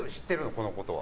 このことは。